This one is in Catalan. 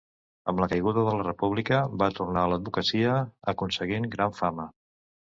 Amb la caiguda de la República, va tornar a l'advocacia, aconseguint gran fama.